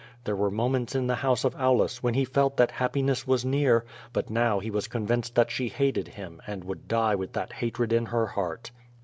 There were moments in the house of Aulus when he felt that happiness was near, but now he was convinced that she hated him, and would die with that hatred in her heart.